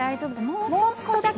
もうちょっとだけ。